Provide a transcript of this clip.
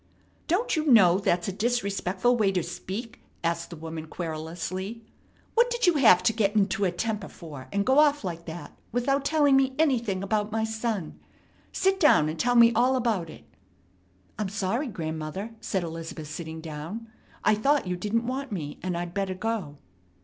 "Don't you know that's a disrespectful way to speak?" asked the woman querulously. "What did you have to get into a temper for, and go off like that without telling me anything about my son? Sit down, and tell me all about it." "I'm sorry, grandmother," said Elizabeth, sitting down. "I thought you didn't want me and I better go."